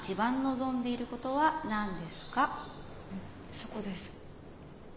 そこです。